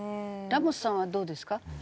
ラモスさんはどうですか？